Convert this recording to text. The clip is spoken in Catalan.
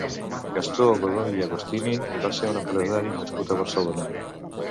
Gastó Godoy i Agostini va ser un empresari nascut a Barcelona.